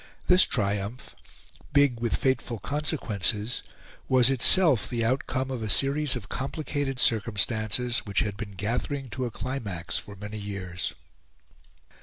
This triumph, big with fateful consequences, was itself the outcome of a series of complicated circumstances which had been gathering to a climax for many years.